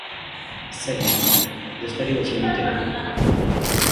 Second, the study was limited.